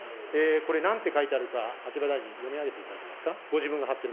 これ、なんて書いてあるか、秋葉大臣、読み上げていただけますか。